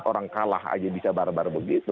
orang kalah saja bisa baru baru begitu